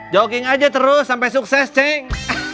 jogging aja terus sampai sukses cheng